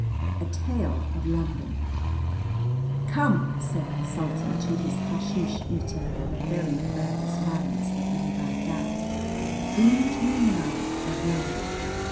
A Tale of London "Come," said the Sultan to his hasheesh eater in the very furthest lands that know Bagdad, "dream to me now of London."